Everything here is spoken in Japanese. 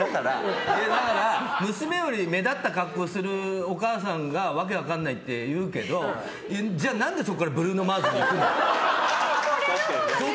だから、娘より目立った格好するお母さんが訳分からないって言うけどじゃあ、何でそこからブルーノ・マーズにいくの？